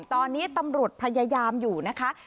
ตอนนี้ตำรวจพยายามอยู่นะคะ